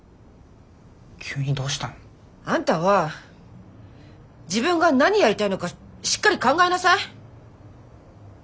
急にどうしたの？あんたは自分が何やりたいのかしっかり考えなさい。